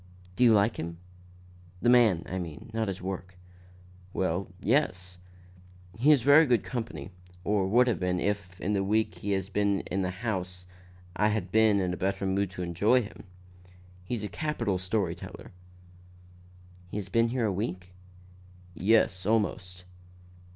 "Do you like him? the man, I mean, not his work." "Well yes. He is very good company, or would have been if, in the week he has been in the house, I had been in better mood to enjoy him. He's a capital story teller." "He has been here a week?" "Yes, or almost."